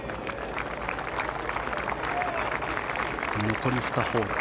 残り２ホール。